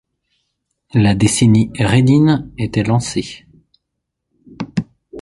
La décennie Redin était lancée.